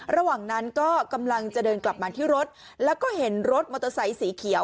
ระหว่างนั้นก็กำลังจะเดินกลับมาที่รถแล้วก็เห็นรถมอเตอร์ไซค์สีเขียว